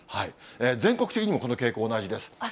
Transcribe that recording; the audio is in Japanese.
全国的にもこの傾向、同じです。